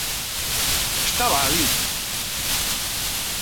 Estaba alí.